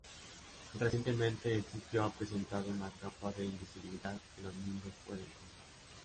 Recientemente el sitio ha presentado una Capa de Invisibilidad que los miembros pueden comprar.